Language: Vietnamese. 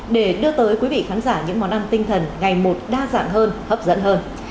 để đưa tới quý vị khán giả những món ăn tinh thần ngày một đa dạng hơn hấp dẫn hơn